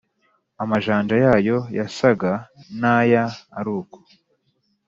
amajanja yayo yasaga n’aya aruko,